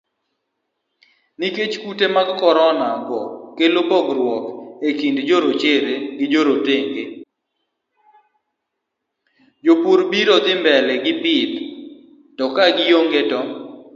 Jopur biro dhi mbele gi pith to ka gionge to